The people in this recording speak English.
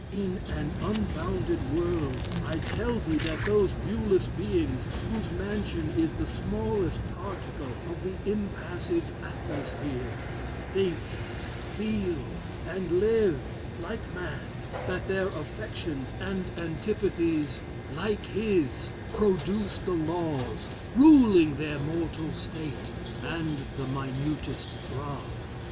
In an unbounded world; I tell thee that those viewless beings. Whose mansion is the smallest particle Of the impassive atmosphere, Think, feel, and live, like man: That their affections and antipathies, Like his, produce the laws Ruling their mortal state; And the minutest throb.